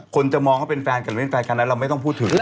คนจะมองว่าเป็นแฟนกันหรือเป็นแฟนกันนั้นเราไม่ต้องพูดถึง